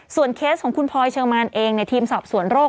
เคสของคุณพลอยเชิงมานเองในทีมสอบสวนโรค